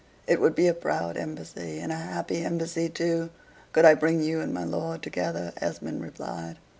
"It would be a proud embassy, and a happy embassy too, could I bring you and my lord together," Esmond replied.